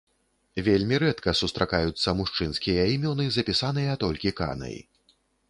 Вельмі рэдка сустракаюцца мужчынскія імёны, запісаныя толькі канай.